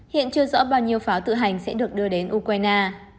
hiện chưa rõ bao nhiêu pháo tự hành sẽ được đưa đến ukraine